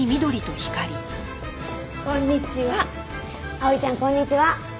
碧唯ちゃんこんにちは。